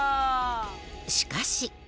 しかし。